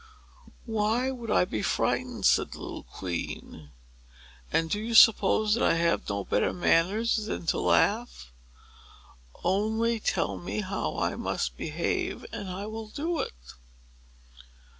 "Why should I be frightened?" said the little queen;—"and do you suppose that I have no better manners than to laugh? Only tell me how I must behave; and I will do it."